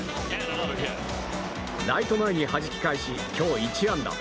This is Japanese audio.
ライト前にはじき返し今日、１安打。